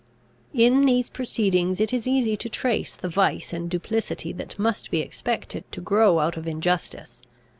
In these proceedings it is easy to trace the vice and duplicity that must be expected to grow out of injustice.